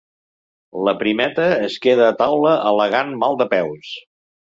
La primeta es queda a taula al·legant mal de peus.